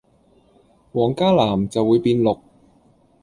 黃加藍就會變綠